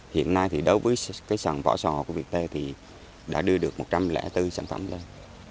hiện nay đối với sàn vỏ sò của việt tây đã đưa được một trăm linh bốn sản phẩm lên